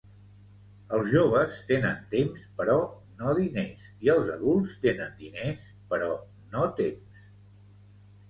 Els joves tenen temps però no diners i els adults tenen diners però no temps.